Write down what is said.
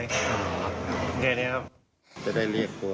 อย่างนี้ครับ